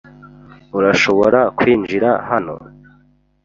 Urashobora kwinjira hano.